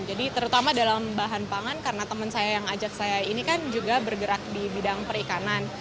jadi terutama dalam bahan pangan karena temen saya yang ajak saya ini kan juga bergerak di bidang perikanan